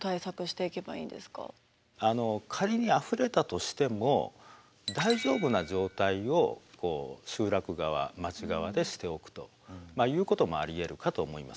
仮にあふれたとしても大丈夫な状態を集落側町側でしておくということもありえるかと思います。